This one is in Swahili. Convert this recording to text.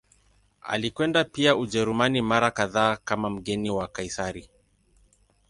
Alikwenda pia Ujerumani mara kadhaa kama mgeni wa Kaisari.